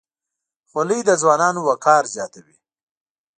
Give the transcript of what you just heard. خولۍ د ځوانانو وقار زیاتوي.